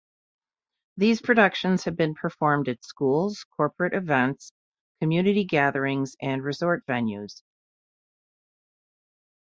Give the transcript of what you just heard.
These productions have been performed at schools, corporate events, community gatherings, and resort venues.